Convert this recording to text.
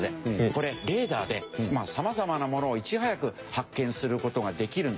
これレーダーで様々なものをいち早く発見する事ができるんですよ。